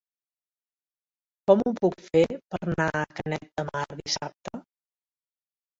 Com ho puc fer per anar a Canet de Mar dissabte?